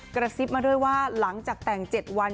กระซิบมาด้วยว่าหลังจากแต่ง๗วัน